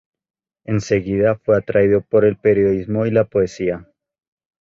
Enseguida fue atraído por el periodismo y la poesía.